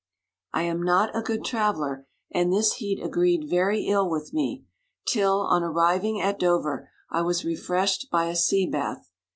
I am not a good traveller, and this heat agreed very ill with me, till, on arriving at Do ver, I was refreshed by a sea bath.